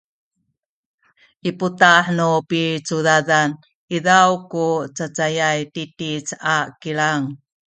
i putah nu picudadan izaw ku cacayay titic a kilang